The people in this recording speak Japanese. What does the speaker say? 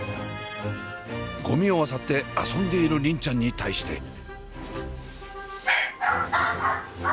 ゴミをあさって遊んでいる梨鈴ちゃんに対して。